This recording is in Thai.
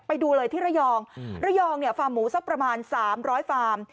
ไปดูเลยที่ระยองระยองเนี่ยฟาร์มหมูสักประมาณ๓๐๐ฟาร์ม